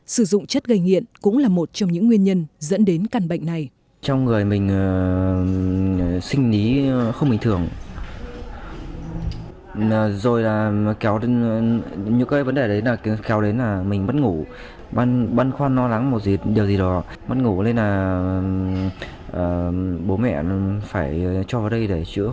sử dụng chất gây nghiện cũng là một trong những nguyên nhân dẫn đến căn bệnh này